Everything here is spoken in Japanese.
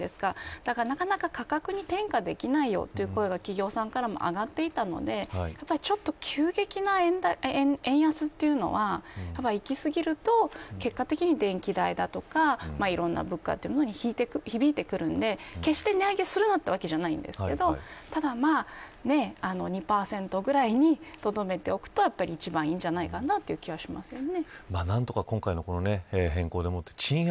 だから、なかなか価格に転嫁できないよという声が企業側からも上がっていたのでちょっと急激な円安というのはいき過ぎると結果的に電気代だとかいろんな物価に響いてくるので、決して値上げするなというわけじゃないんですけど２％ぐらいに留めておくと一番いいんじゃないからという気はしますよね。